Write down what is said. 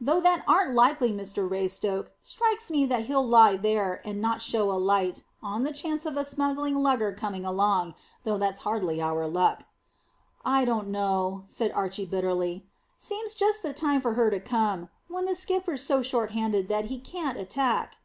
"Though that aren't likely, Mr Raystoke. Strikes me that he'll lie there, and not show a light, on the chance of a smuggling lugger coming along, though that's hardly our luck." "I don't know," said Archy bitterly. "Seems just the time for her to come when the skipper's so short handed that he can't attack."